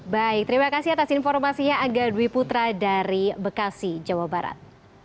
baik terima kasih atas informasinya angga dwi putra dari bekasi jawa barat